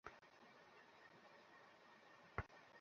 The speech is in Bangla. জানি না কী কারণে আর কেন সেই লোকটাকে খুন করেছে।